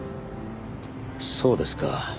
そうですか。